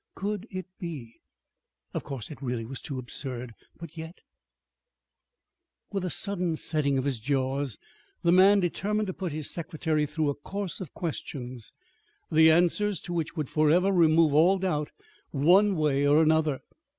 Could it be? Of course it really was too absurd; but yet With a sudden setting of his jaws the man determined to put his secretary through a course of questions, the answers to which would forever remove all doubt, one way or another.